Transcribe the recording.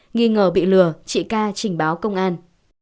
nghi ngờ bị lừa chị ca trình báo công an